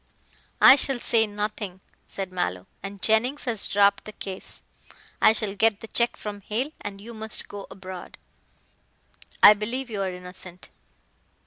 "I shall say nothing," said Mallow, "and Jennings has dropped the case. I shall get the check from Hale, and you must go abroad. I believe you are innocent."